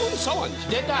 出た！